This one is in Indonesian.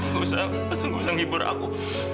enggak usah enggak usah nghibur aku